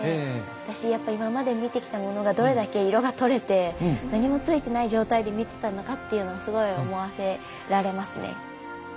私今まで見てきたものがどれだけ色が取れて何もついてない状態で見てたのかというのがすごい思わせられますね。